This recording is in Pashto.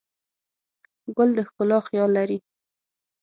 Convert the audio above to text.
ګل د ښکلا خیال لري.